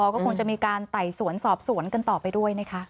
ก็คงจะมีการไต่สวนสอบสวนกันต่อไปด้วยนะคะ